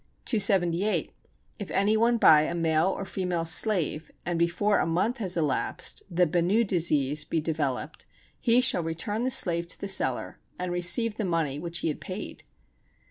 278. If any one buy a male or female slave, and before a month has elapsed the benu disease be developed, he shall return the slave to the seller, and receive the money which he had paid.